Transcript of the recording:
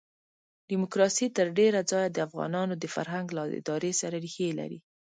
ډیموکراسي تر ډېره ځایه د افغانانو د فرهنګ له ادارې سره ریښې لري.